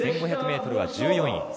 １５００ｍは１４位。